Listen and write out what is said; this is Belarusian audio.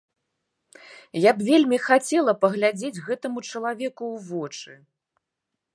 Я б вельмі хацела паглядзець гэтаму чалавеку ў вочы.